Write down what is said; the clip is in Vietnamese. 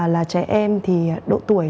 là trẻ em thì độ tuổi